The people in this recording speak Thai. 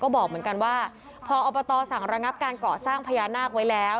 ก็บอกเหมือนกันว่าพออบตสั่งระงับการก่อสร้างพญานาคไว้แล้ว